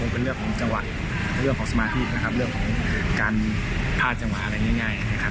เพิ่มทนความสามารถ